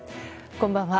こんばんは。